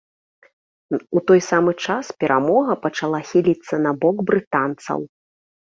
У той самы час перамога пачала хіліцца на бок брытанцаў.